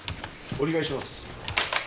お願いします。